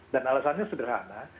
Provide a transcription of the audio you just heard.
dan alasannya sederhana